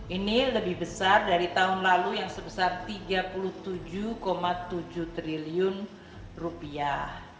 ini lebih besar dari tahun lalu yang sebesar tiga puluh tujuh tujuh triliun rupiah